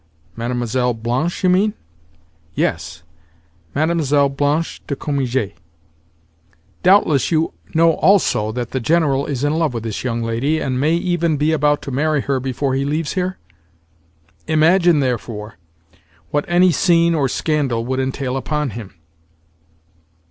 "Mlle. Blanche, you mean?" "Yes, Mlle. Blanche de Cominges. Doubtless you know also that the General is in love with this young lady, and may even be about to marry her before he leaves here? Imagine, therefore, what any scene or scandal would entail upon him!"